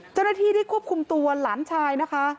เจ้าระที่ที่ควบคุมตัวหลานชายนะคะ